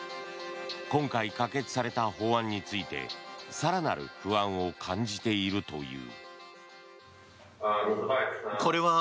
今回、可決された法案について更なる不安を感じているという。